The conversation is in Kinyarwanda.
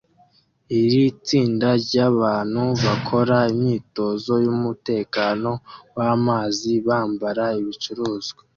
iri tsinda ryabantu bakora imyitozo yumutekano wamazi bambara ibicuruzwa